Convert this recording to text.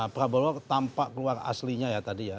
prabowo tampak keluar aslinya ya tadi ya